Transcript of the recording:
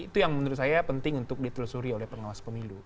itu yang menurut saya penting untuk ditelusuri oleh pengawas pemilu